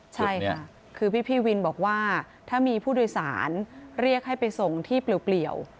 ใช่ค่ะคือพี่วินบอกว่าถ้ามีผู้โดยสารเรียกให้ไปส่งที่เปลี่ยว